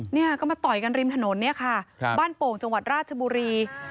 เนี่ยก็มาต่อยกันริมถนนเนี่ยค่ะบ้านโป่งจังหวัดราชบุรี